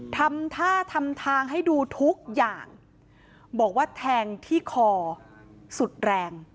ทำท่าทำทางให้ดูทุกอย่างบอกว่าแทงที่คอสุดแรง